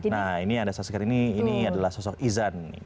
nah ini ada sasaran ini ini adalah sosok izan